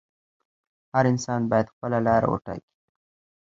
هر انسان باید خپله لاره وټاکي.